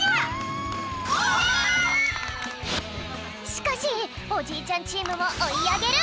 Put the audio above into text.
しかしおじいちゃんチームもおいあげる！